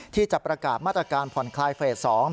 ที่จะประกาศมาตรการผ่อนคลายเฟส๒